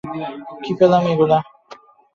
কি পেলাম এগুলা?